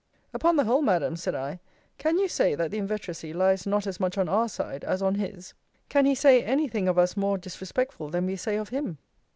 Upon the whole, Madam, said I, can you say, that the inveteracy lies not as much on our side, as on his? Can he say any thing of us more disrespectful than we say of him?